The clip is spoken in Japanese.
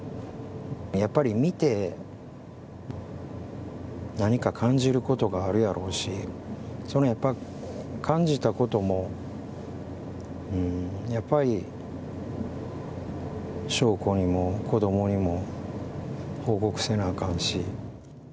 やっぱり見て何か感じることがあるやろうし、やっぱり感じたことも、やっぱり晶子にも子どもにも報告せなあかんし。